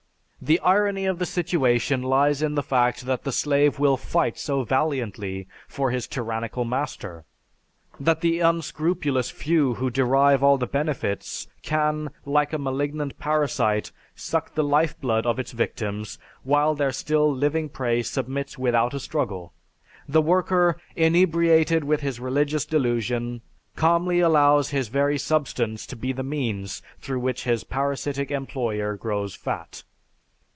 The irony of the situation lies in the fact that the slave will fight so valiantly for his tyrannical master, that the unscrupulous few who derive all the benefits, can, like a malignant parasite, suck the life blood of its victims while their still living prey submits without a struggle! The worker, inebriated with his religious delusion, calmly allows his very substance to be the means through which his parasitic employer grows fat.